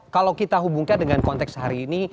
kalau kita hubungkan dengan konteks hari ini